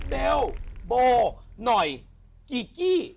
เบลโบหน่อยจีกี้